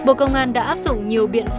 bộ công an đã áp dụng nhiều biện pháp